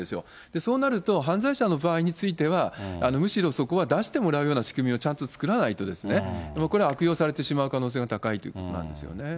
そうなると、犯罪者の場合については、むしろそこは出してもらうような仕組みをちゃんと作らないと、これは悪用されてしまう可能性が高いということなんですよね。